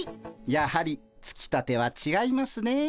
やはりつきたてはちがいますねえ。